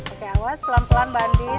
oke awas pelan pelan mbak andin